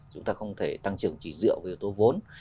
chúng ta không thể tăng trưởng chỉ dựa vào yếu tố vốn